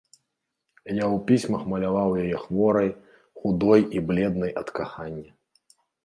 Я ў пісьмах маляваў яе хворай, худой і бледнай ад кахання.